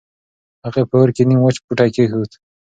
هغې په اور کې نيم وچ بوټی کېښود.